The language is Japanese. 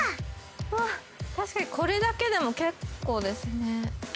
確かにこれだけでもけっこうですね。